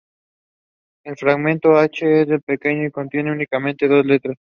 El fragmento "h" es el más pequeño y contiene únicamente dos letras.